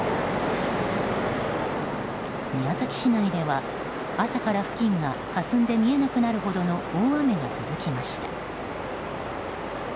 宮崎市内では朝から付近がかすんで見えなくなるほどの大雨が続きました。